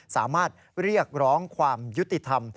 สามารถเรียกร้องความยุติธรรม